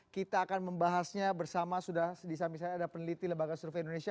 kita akan membahasnya bersama sudah di samping saya ada peneliti lembaga survei indonesia